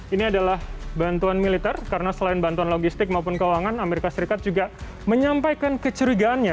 ini adalah bantuan militer karena selain bantuan logistik maupun keuangan amerika serikat juga menyampaikan kecurigaannya